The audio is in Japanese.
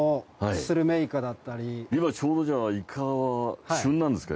今ちょうどじゃあイカは旬なんですか？